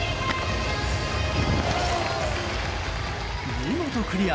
見事クリア。